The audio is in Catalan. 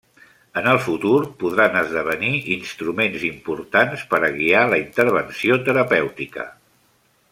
En el futur, podran esdevenir instruments importants per a guiar la intervenció terapèutica.